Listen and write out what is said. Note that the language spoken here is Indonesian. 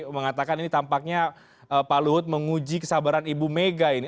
mengatakan ini tampaknya pak luhut menguji kesabaran ibu mega ini